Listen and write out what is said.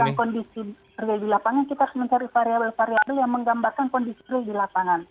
nah pertama untuk menentukan kondisi real di lapangan kita harus mencari variable variable yang menggambarkan kondisi real di lapangan